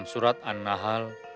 mais karam amd os